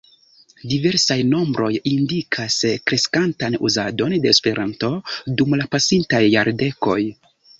Diversaj nombroj indikas kreskantan uzadon de Esperanto dum la pasintaj jardekoj.